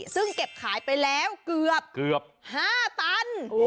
ซึ่งเก็บขายไปแล้วเกือบ๕ตัน